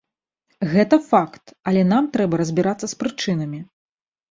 Гэта факт, але нам трэба разбірацца з прычынамі.